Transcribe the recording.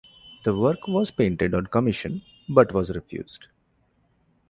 The work was painted on commission, but was refused.